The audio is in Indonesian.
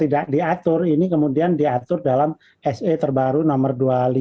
tidak diatur ini kemudian diatur dalam se terbaru nomor dua puluh lima